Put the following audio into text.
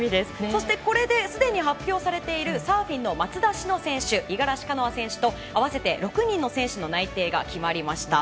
そしてこれですでに発表されているサーフィンの松田詩野五十嵐カノア選手と合わせて６人の選手の内定が決まりました。